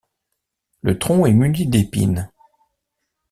Le tronc est muni d'épines.